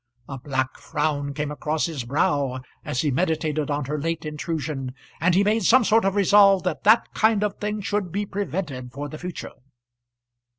A black frown came across his brow as he meditated on her late intrusion, and he made some sort of resolve that that kind of thing should be prevented for the future.